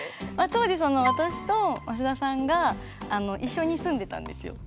当時私と増田さんが一緒に住んでたんですよ。